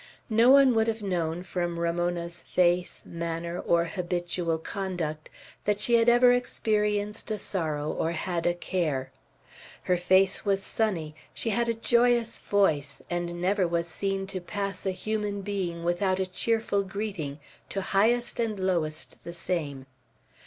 No one would have known, from Ramona's face, manner, or habitual conduct, that she had ever experienced a sorrow or had a care. Her face was sunny, she had a joyous voice, and never was seen to pass a human being without a cheerful greeting, to highest and lowest the same.